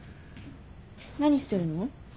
何してるの？